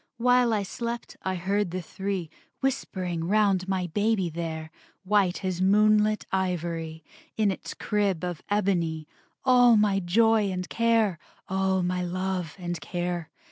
While I slept I heard the three Whispering round my baby there, White as moonlit ivory, In its crib of ebony, All my joy and care, All my love and care.